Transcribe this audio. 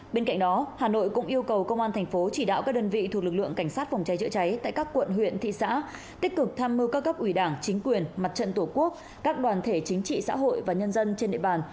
bên cạnh đó hà nội cũng yêu cầu công an thành phố chỉ đạo các đơn vị thuộc lực lượng cảnh sát phòng cháy chữa cháy tại các quận huyện thị xã tích cực tham mưu các cấp ủy đảng chính quyền mặt trận tổ quốc các đoàn thể chính trị xã hội và nhân dân trên địa bàn